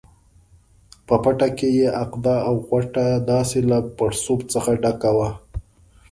په پټه کې یې عقده او غوټه داسې له پړسوب څخه ډکه وه.